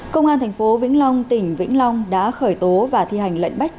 công an thành phố vĩnh long tỉnh vĩnh long đã khởi tố và thi hành lận bách